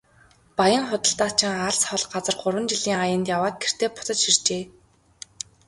Баян худалдаачин алс хол газар гурван жилийн аянд яваад гэртээ буцаж иржээ.